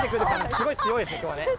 すごい強いです今日はね。